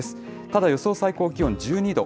ただ、予想最高気温１２度。